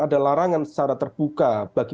ada larangan secara terbuka bagi